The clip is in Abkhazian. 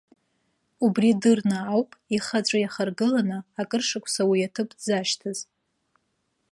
Убри дырны ауп, ихы аҵәы иахаргыланы, акыр шықәса уи аҭыԥ дзашьҭаз.